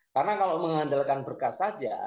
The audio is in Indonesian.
karena kalau mengandalkan berkas saja